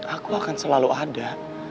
aku akan selalu ada